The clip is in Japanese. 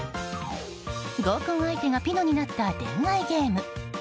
合コン相手がピノになった恋愛ゲーム。